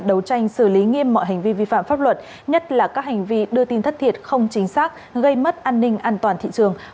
đấu tranh xử lý nghiêm mọi hành vi vi phạm pháp luật nhất là các hành vi đưa tin thất thiệt không chính xác gây mất an ninh an toàn thị trường